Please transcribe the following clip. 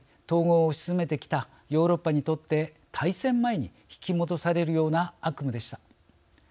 統合を推し進めてきたヨーロッパにとって大戦前に引き戻されるような悪夢でした。